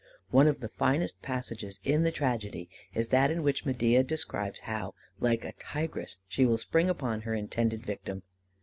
One of the finest passages in the tragedy is that in which Medea describes how like a tigress she will spring upon her intended victim.